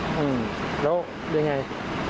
อืมแล้วยังไง